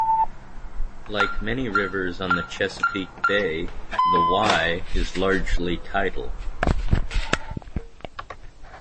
Like many rivers on the Chesapeake Bay, the Wye is largely tidal.